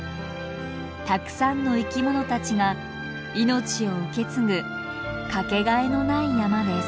たくさんの生きものたちが命を受け継ぐ掛けがえのない山です。